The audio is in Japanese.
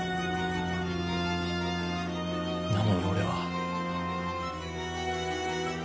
なのに俺は。